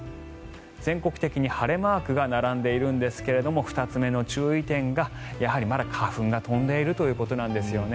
全国的に晴れマークが並んでいるんですが２つ目の注意点がやはりまだ花粉が飛んでいるということなんですよね。